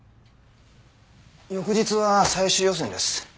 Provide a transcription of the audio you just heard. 翌日は最終予選です。